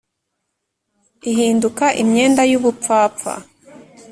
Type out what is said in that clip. ihinduka imyenda y'ubupfapfa.